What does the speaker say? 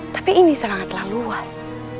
tapi ini sangatlah luas